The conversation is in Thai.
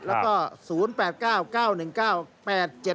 แล้วก็๐๘๙๙๑๙๘๗๙๑ครับ